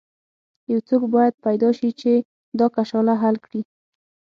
یو څوک باید پیدا شي چې دا کشاله حل کړي.